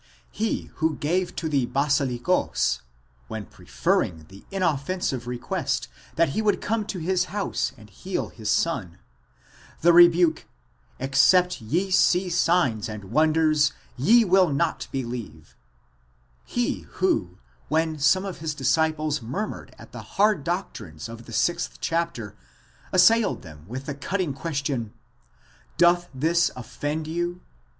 He who gave to the βασιλικὸς, when preferring the inoffensive request that he would come to his house and heal his son, the rebuke, Lxcept ye see signs and wonders ye will not believe; he who, when some of his disciples murmured at the hard doctrines of the sixth chapter, assailed them with the cutting question, Doth this offend you?